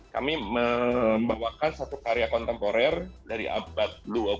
kami membawakan satu karya kontemporer dari abad dua puluh